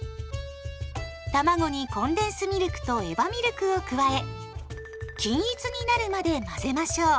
たまごにコンデンスミルクとエバミルクを加え均一になるまで混ぜましょう。